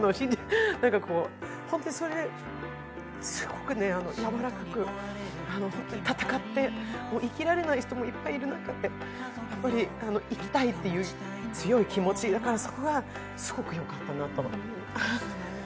本当にそれ、すごくやわらかく闘って、生きられない人もいっぱいいる中で、生きたいっていう強い気持ちだから、そこがすごくよかったなと思う。